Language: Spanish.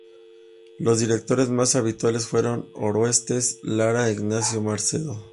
Los directores más habituales fueron Orestes Lara e Ignacio Mercero.